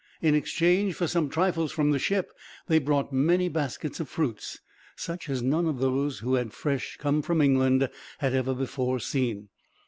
In exchange for some trifles from the ship they brought many baskets of fruits, such as none of those who had fresh come from England had ever before seen.